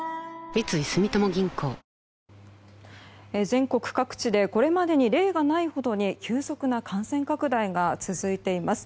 全国各地でこれまでに例がないほど急速な感染拡大が続いています。